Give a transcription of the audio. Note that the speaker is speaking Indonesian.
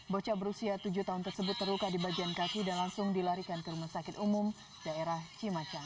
bocah berusia tujuh tahun tersebut terluka di bagian kaki dan langsung dilarikan ke rumah sakit umum daerah cimacan